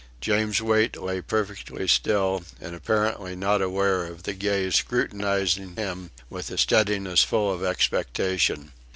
James Wait lay perfectly still, and apparently not aware of the gaze scrutinising him with a steadiness full of expectation.